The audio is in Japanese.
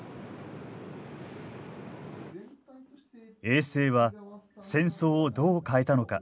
衛星は戦争をどう変えたのか？